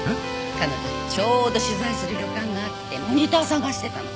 彼女ちょうど取材する旅館があってモニター探してたの。